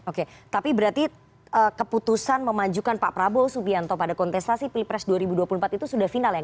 oke tapi berarti keputusan memajukan pak prabowo subianto pada kontestasi pilpres dua ribu dua puluh empat itu sudah final ya